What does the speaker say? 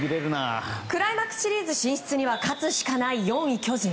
クライマックスシリーズ進出には勝つしかない４位、巨人。